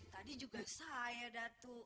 tadi juga saya datu